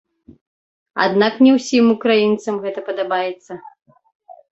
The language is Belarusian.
Аднак не ўсім украінцам гэта падабаецца.